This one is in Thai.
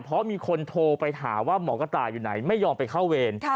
เพราะมีคนโทรไปถามว่าหมอกระต่ายอยู่ไหนไม่ยอมไปเข้าเวร